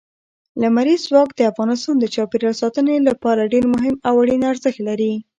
لمریز ځواک د افغانستان د چاپیریال ساتنې لپاره ډېر مهم او اړین ارزښت لري.